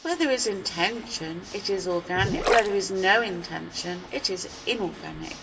Where there is intention it is organic, where there is no intention it is inorganic.